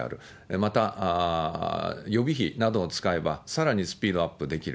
また、予備費などを使えばさらにスピードアップできる。